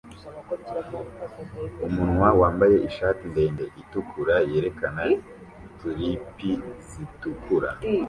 Umwana wambaye ishati ndende itukura yerekana tulipi zitukura